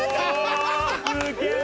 すげえ！